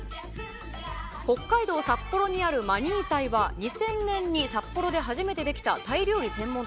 北海道札幌にあるマニータイは２０００年に札幌で初めてできたタイ料理専門店。